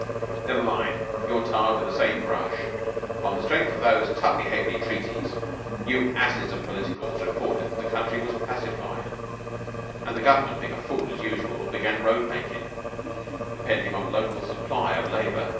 "Never mind, you're tarred with the same brush. On the strength of those tuppenny ha'penny treaties, your asses of Politicals reported the country as pacified, and the Government, being a fool, as usual, began road makin' dependin' on local supply for labor.